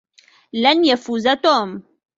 لن يفوز توم.